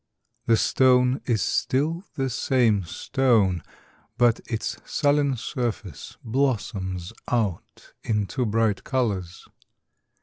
The stone is still the same stone ; but its sullen surface blossoms out into bright colours.